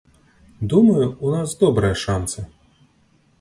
Думаю, у нас добрыя шанцы.